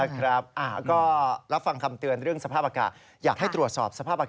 ครับครับผมครับผม